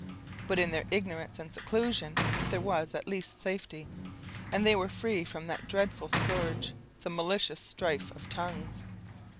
But in their ignorance and seclusion there was at least safety, and they were free from that dreadful scourge "the malicious strife of tongues."